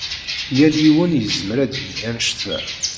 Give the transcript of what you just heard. Yal yiwen yezmer ad d-yini anect-a.